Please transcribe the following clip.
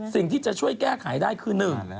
สิ่งที่จะช่วยแก้ไขได้คือหนึ่ง